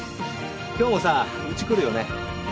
今日もさうち来るよね？